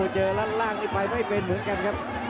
เจอด้านล่างนี่ไปไม่เป็นเหมือนกันครับ